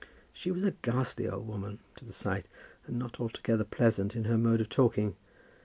She was a ghastly old woman to the sight, and not altogether pleasant in her mode of talking.